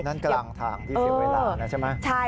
นั่นกลางทางที่เสียเวลานะใช่ไหม